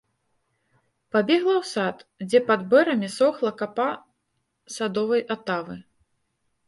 Пабегла ў сад, дзе пад бэрамі сохла капа садовай атавы.